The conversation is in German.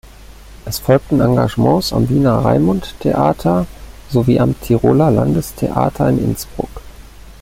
Es folgten Engagements am Wiener Raimundtheater sowie am Tiroler Landestheater in Innsbruck.